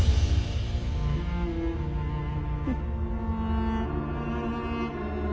うん。